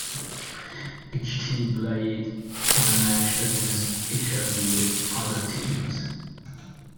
Each team played one match against each of the other teams.